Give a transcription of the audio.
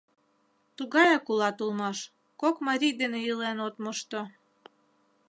Тугаяк улат улмаш, кок марий дене илен от мошто.